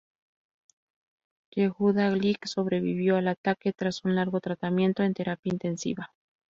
Yehuda Glick sobrevivió el ataque tras un largo tratamiento en terapia intensiva.